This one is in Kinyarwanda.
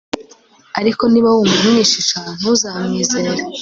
ariko niba wumva umwishisha, ntuzamwizere